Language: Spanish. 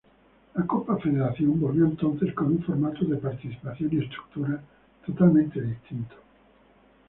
La Copa Federación volvió entonces con un formato de participación y estructura totalmente distinto.